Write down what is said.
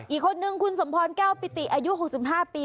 อีกคนนึงคุณสมพรแก้วปิติอายุ๖๕ปี